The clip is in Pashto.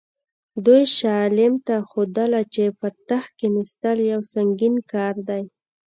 دوی شاه عالم ته ښودله چې پر تخت کښېنستل یو سنګین کار دی.